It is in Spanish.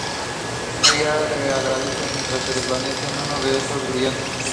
Ella le agradece mientras se desvanece en un destello brillante.